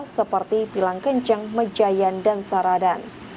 seperti pilang kencang mejayan dan saradan